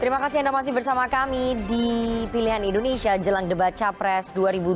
terima kasih anda masih bersama kami di pilihan indonesia jelang debat capres dua ribu dua puluh